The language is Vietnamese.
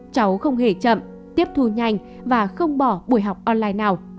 cháu không hề chậm tiếp thu nhanh và không bỏ buổi học online nào